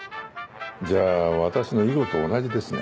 じゃあ私の囲碁と同じですね。